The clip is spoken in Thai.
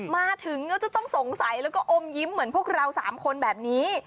มาถึงก็จะต้องสงสัยแล้วก็อมยิ้มเหมือนพวกเรา๓คนแบบนี้